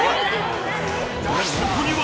［そこには］